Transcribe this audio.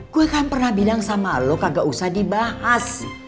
gue kan pernah bilang sama lo kagak usah dibahas